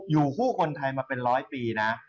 อยู่คู่คนไทยมาเป็นร้อยปีนะ